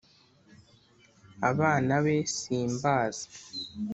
abana be simbazi